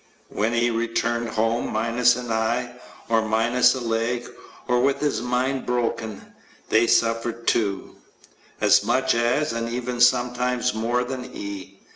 When he returned home minus an eye, or minus a leg or with his mind broken, they suffered too as much as and even sometimes more than he.